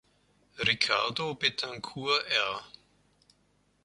Ricardo Betancur-R.